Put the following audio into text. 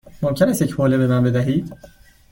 ممکن است یک حوله به من بدهید؟